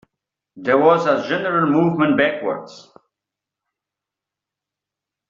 There was a general movement backwards.